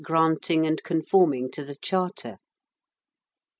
granting and conforming to the charter.